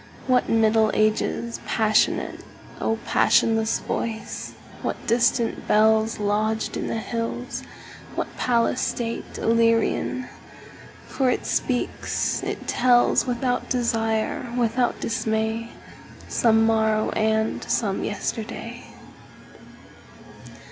What Middle Ages passionate,O passionless voice! What distant bellsLodged in the hills, what palace stateIllyrian! For it speaks, it tells, Without desire, without dismay, Some morrow and some yesterday.